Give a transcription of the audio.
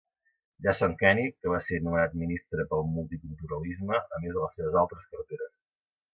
Jason Kenney que va ser nomenat ministre pel Multiculturalisme a més de les seves altres carteres.